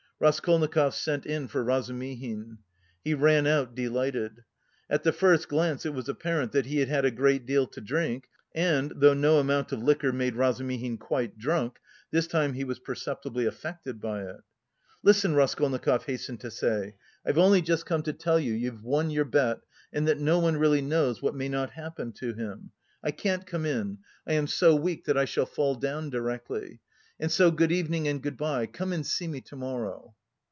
Raskolnikov sent in for Razumihin. He ran out delighted. At the first glance it was apparent that he had had a great deal to drink and, though no amount of liquor made Razumihin quite drunk, this time he was perceptibly affected by it. "Listen," Raskolnikov hastened to say, "I've only just come to tell you you've won your bet and that no one really knows what may not happen to him. I can't come in; I am so weak that I shall fall down directly. And so good evening and good bye! Come and see me to morrow."